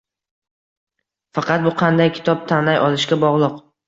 Faqat bu qanday kitob tanlay olishga bog‘liq